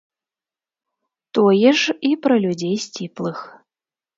Тое ж і пра людзей сціплых.